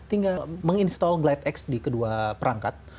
tinggal menginstall glidex di kedua perangkat